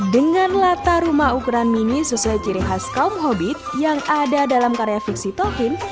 dengan latar rumah ukuran mini sesuai ciri khas kaum hobit yang ada dalam karya fiksi tokin